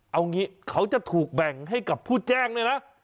เอางี้เขาจะถูกแบ่งให้กับผู้แจ้งด้วยนะ